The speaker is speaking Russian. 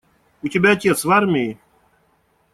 У тебя отец в армии?